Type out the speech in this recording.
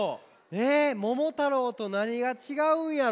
えっ「ももたろう」となにがちがうんやろ。